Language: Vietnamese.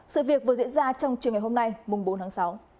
sự việc vừa diễn ra trong trường ngày hôm nay mùng bốn tháng sáu